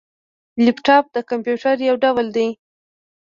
لیپټاپ د کمپيوټر یو ډول دی